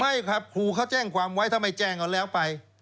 ไม่ครับครูเขาแจ้งความไว้ถ้าไม่แจ้งเอาแล้วไป